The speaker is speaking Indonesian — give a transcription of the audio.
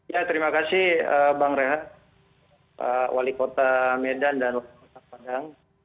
ya terima kasih bang rehat pak wali kota medan dan wali kota padang